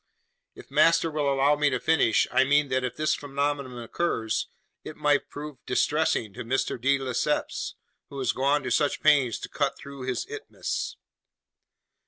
"If master will allow me to finish, I mean that if this phenomenon occurs, it might prove distressing to Mr. de Lesseps, who has gone to such pains to cut through his isthmus!"